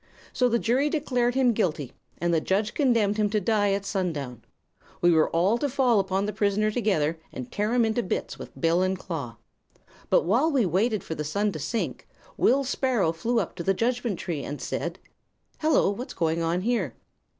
So the jury declared him guilty, and the judge condemned him to die at sundown. We were all to fall upon the prisoner together, and tear him into bits with bill and claw; but while we waited for the sun to sink Will Sparrow flew up to the Judgment Tree and said: "'Hello! What's going on here?'